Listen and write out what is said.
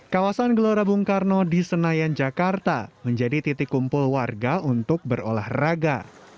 kawasan gelora bung karno di senayan jakarta menjadi titik kumpul warga untuk berolahraga